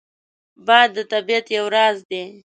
باد د طبیعت یو راز دی